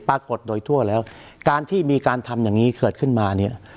ปรากฏโดยทั่วแล้วการที่มีการทำอย่างนี้เกิดขึ้นมาเนี่ย